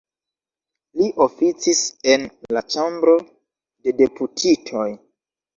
Li oficis en la Ĉambro de Deputitoj.